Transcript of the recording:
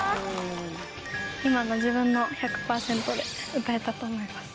今の自分の１００パーセントで歌えたと思います。